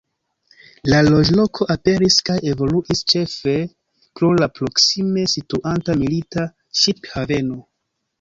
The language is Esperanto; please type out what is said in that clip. La loĝloko aperis kaj evoluis ĉefe pro la proksime situanta milita ŝip-haveno.